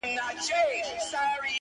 o دا خو خلګ یې راوړي چي شیرني ده,